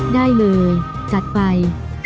ได้เลยจัดไป